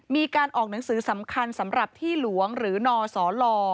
มีการออกหนังสือสำคัญสำหรับที่หลวงหรือนสล